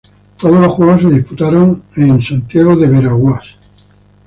Todos los juegos se disputaron en el en Santiago de Veraguas.